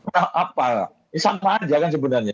nah apa ini sama aja kan sebenarnya